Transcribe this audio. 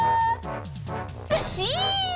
ずっしん！